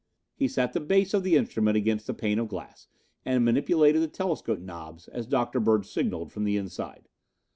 He sat the base of the instrument against the pane of glass and manipulated the telescope knobs as Dr. Bird signalled from the inside.